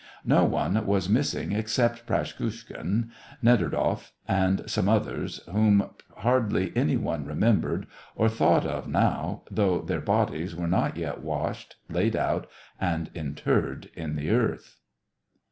No one was missing except Praskukhin, .Neferdoff, and some others, whom hardly any one remembered or thought of now, though their bodies were not yet washed, laid out, and interred in the earth.